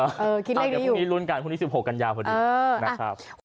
คิดเลขนี้อยู่อ่าเดี๋ยวพรุ่งนี้รุ่นกันพรุ่งนี้๑๖กันยาพอดีนะครับ